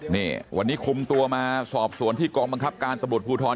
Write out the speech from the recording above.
นี่วันนี้คุมตัวมาสอบสวนที่กองบังคับการตำรวจภูทร